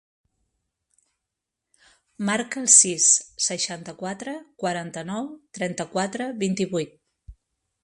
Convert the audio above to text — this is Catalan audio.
Marca el sis, seixanta-quatre, quaranta-nou, trenta-quatre, vint-i-vuit.